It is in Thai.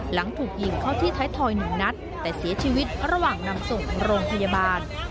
หลังถูกยิงเข้าที่ไทยทอย๑นัดแต่เสียชีวิตระหว่างนำส่งโรงพยาบาล